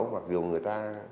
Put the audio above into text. mặc dù người ta